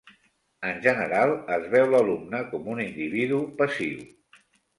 En general, es veu l'alumne com un individu passiu.